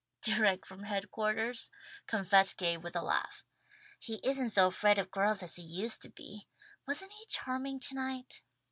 "Direct from headquarters," confessed Gay with a laugh. "He isn't so afraid of girls as he used to be. Wasn't he charming tonight?"